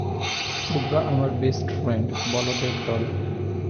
তোমরা আমার best friend, বলদের দল।